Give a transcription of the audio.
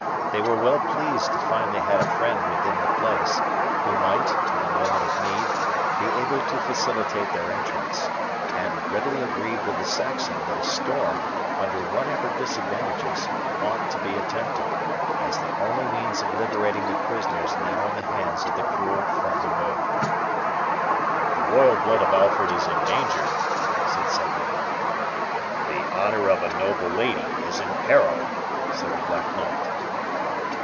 They were well pleased to find they had a friend within the place, who might, in the moment of need, be able to facilitate their entrance, and readily agreed with the Saxon that a storm, under whatever disadvantages, ought to be attempted, as the only means of liberating the prisoners now in the hands of the cruel Front de Bœuf. "The royal blood of Alfred is endangered," said Cedric. "The honour of a noble lady is in peril," said the Black Knight.